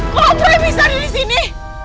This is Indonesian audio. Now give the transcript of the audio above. kok om lemos bisa ada di sini